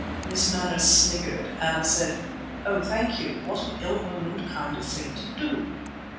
Miss Manners sniggered, and I said: "Oh, thank you. What an ill omened kind of thing to do!"